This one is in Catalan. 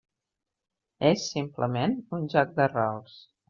És, simplement, un joc de rols.